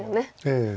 ええ。